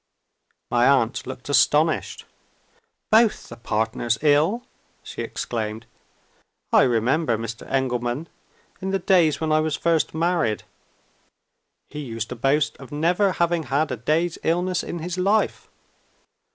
My aunt looked astonished. "Both the partners ill!" she exclaimed. "I remember Mr. Engelman, in the days when I was first married. He used to boast of never having had a day's illness in his life.